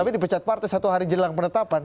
tapi dipecat partai satu hari jelang penetapan